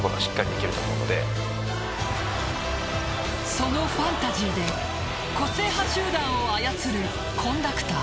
そのファンタジーで個性派集団を操るコンダクター。